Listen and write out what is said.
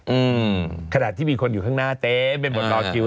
อืมขนาดที่มีคนอยู่ข้างหน้าเต็มไปหมดรอคิว